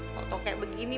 kalau kayak begini